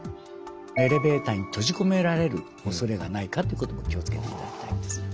エレベーターに閉じ込められるおそれがないかってことも気を付けていただきたいんです。